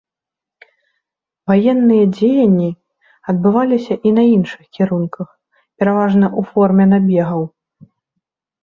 Ваенныя дзеянні адбываліся і на іншых кірунках, пераважна ў форме набегаў.